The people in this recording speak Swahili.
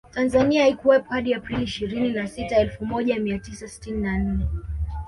Tanzania haikuwepo hadi Aprili ishirini na sita elfu moja mia tisa sitini na nne